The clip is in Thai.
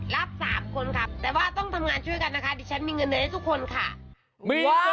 รับ๓คนครับแต่ว่าต้องทำงานช่วยกันนะคะดิฉันมีเงินเดือนให้ทุกคนค่ะ